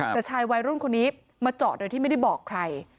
แต่ชายวัยรุ่นคนนี้มาจอดโดยที่ไม่ได้บอกใคร